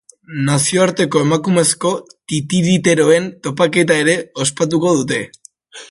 Nazioarteko emakumezko titiriteroen topaketa ere ospatuko dute.